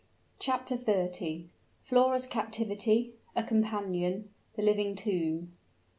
CHAPTER XXX. FLORA'S CAPTIVITY A COMPANION THE LIVING TOMB.